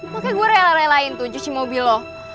makanya gue rela relain tuh nyuci mobil lo